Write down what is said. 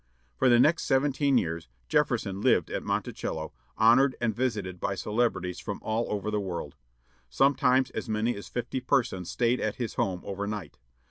For the next seventeen years, Jefferson lived at Monticello, honored and visited by celebrities from all the world. Sometimes as many as fifty persons stayed at his home over night.